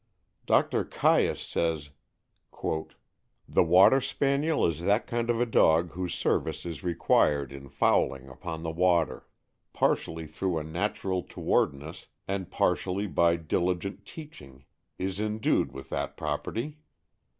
Doctor Caius says: "The Water Spaniel is that kind of a dog whose service is required in fowling upon the water partially through a natural towardness and partially by diligent teaching is endued with that property.